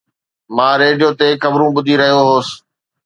مان ريڊيو تي خبرون ٻڌي رهيو هوس